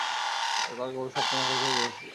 তারা কেবল সপ্তম আকাশেরই অধিবাসী।